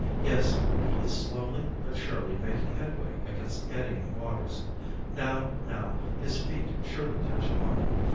Yes, he is slowly but surely making headway against the eddying waters. Now, now, his feet surely touch bottom.